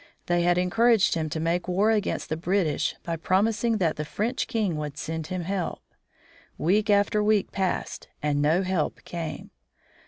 They had encouraged him to make war against the British by promising that the French king would send him help. Week after week passed and no help came.